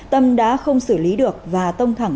tâm đã không xử lý được và tông thẳng